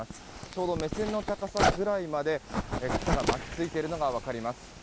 ちょうど目線の高さぐらいまで草が巻き付いているのが分かります。